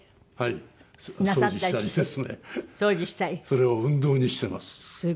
それを運動にしてます。